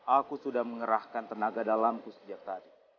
aku sudah mengerahkan tenaga dalamku sejak tadi